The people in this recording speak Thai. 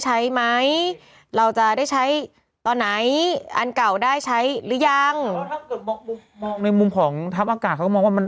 ใช้ไหมเราจะได้ใช้ตอนไหนอันก่าวได้ใช้หรือยังมองในมุมของทัพอากาศเขามองว่ามัน